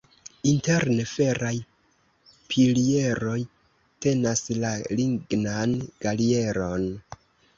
Interne feraj pilieroj tenas la lignan galerion.